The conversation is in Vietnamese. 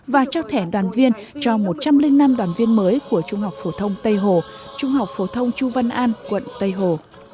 và trao thẻ đoàn viên cho một trăm linh năm đoàn viên mới của trung học phổ thông tây hồ trung học phổ thông chu văn an quận tây hồ